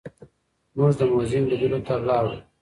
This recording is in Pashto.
موږ د موزیم لیدلو ته لاړو.